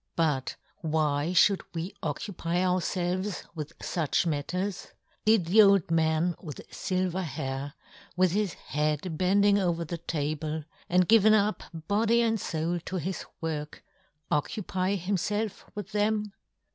But w^hy fhould w^e occupy ourfelves w^ith fuch matters ? Did the old man w^ith filver hair, with his head bending over the table, and given up body and foul to his work, occupy himfelf with them